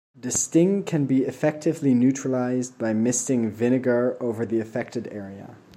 The sting can be effectively neutralized by misting vinegar over the affected area.